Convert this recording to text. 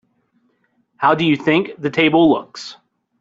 How do you think the table looks?